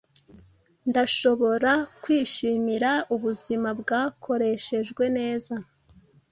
Ndashobora kwishimira ubuzima bwakoreshejwe neza